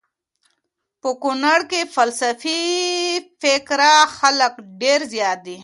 په کونړ کي سلفي فکره خلک ډير زيات دي